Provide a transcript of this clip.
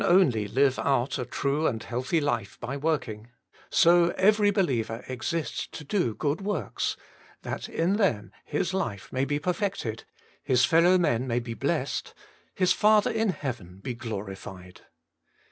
pnly live out a true and healthy life by working, so every believer 54 Working for God exists to do good works, that in them his hfe may be perfected, his fellowmen may be blessed, his Father in heaven be glorified.